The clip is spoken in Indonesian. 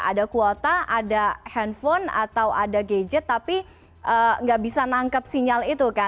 ada kuota ada handphone atau ada gadget tapi tidak bisa menangkap sinyalnya